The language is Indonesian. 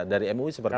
dari mui seperti apa